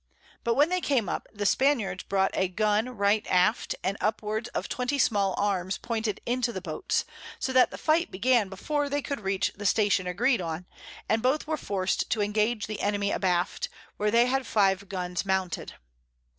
But when they came up, the Spaniards brought a Gun right aft, and upwards of twenty small Arms pointed into the Boats; so that the Fight began before they could reach the Station agreed on, and both were forc'd to engage the Enemy abaft, where they had five Guns mounted.